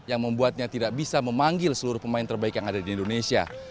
yang membuatnya tidak bisa memanggil seluruh pemain terbaik yang ada di indonesia